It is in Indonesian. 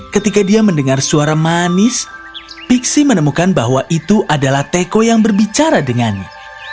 ketika dia mendengar suara manis pixi menemukan bahwa itu adalah teko yang berbicara dengannya